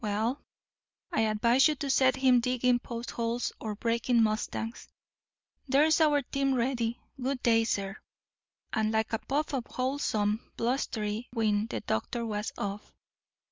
Well, I advise you to set him digging post holes or breaking mustangs. There's our team ready. Good day, sir." And like a puff of wholesome, blustery wind the doctor was off.